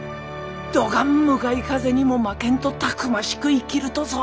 どがん向かい風にも負けんとたくましく生きるとぞ。